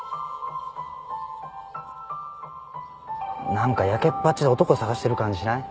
何かやけっぱちで男探してる感じしない？